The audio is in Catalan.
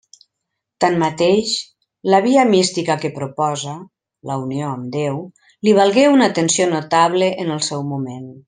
Tanmateix, la via mística que proposa, la unió amb Déu, li valgué una atenció notable en el seu moment.